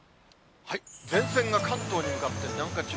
前線が関東に向かって南下中。